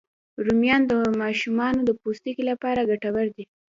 رومیان د ماشومانو د پوستکي لپاره ګټور دي